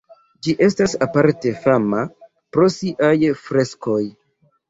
Ĝi estas aparte fama pro siaj freskoj.